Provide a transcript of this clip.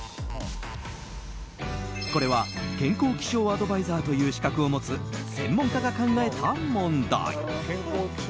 これは健康気象アドバイザーという資格を持つ専門家が考えた問題。